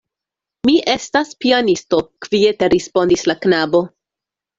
Mi estas pianisto, kviete respondis la knabo.